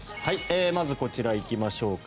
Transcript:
まず、こちら行きましょうか。